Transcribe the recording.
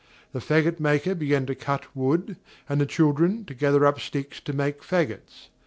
The faggot maker began to cut wood, and the children to gather up sticks to make faggots.